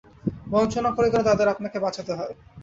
বঞ্চনা করে কেন তাদের আপনাকে বাঁচাতে হয়?